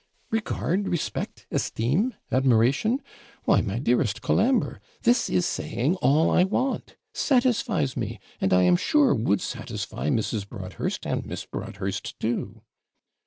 'Regard, respect, esteem, admiration! Why, my dearest Colambre! this is saying all I want; satisfies me, and I am sure would satisfy Mrs Broadhurst and Miss Broadhurst too.'